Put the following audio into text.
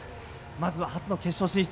まずは初の決勝進出